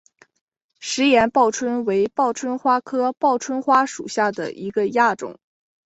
石岩报春为报春花科报春花属下的一个亚种。